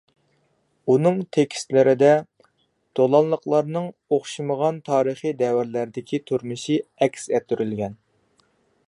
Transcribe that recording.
ئۇنىڭ تېكىستلىرىدە دولانلىقلارنىڭ ئوخشاشمىغان تارىخىي دەۋرلەردىكى تۇرمۇشى ئەكس ئەتتۈرۈلگەن.